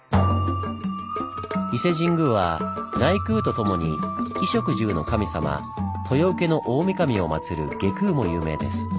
伊勢神宮は内宮とともに衣食住の神様豊受大神をまつる外宮も有名です。